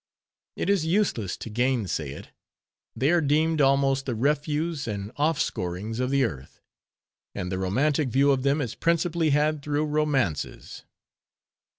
It is useless to gainsay it; they are deemed almost the refuse and offscourings of the earth; and the romantic view of them is principally had through romances.